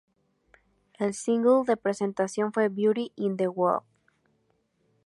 El single de presentación fue "Beauty In The World".